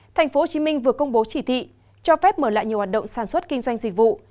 thành phố hồ chí minh vừa công bố chỉ thị cho phép mở lại nhiều hoạt động sản xuất kinh doanh dịch vụ